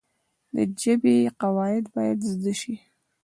د ژبي قواعد باید زده سي.